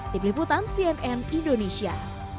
di peliputan cnn indonesia